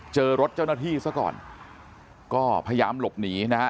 เจอรถเจ้าหน้าที่ซะก่อนก็พยายามหลบหนีนะฮะ